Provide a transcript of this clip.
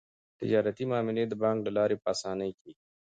تجارتي معاملې د بانک له لارې په اسانۍ کیږي.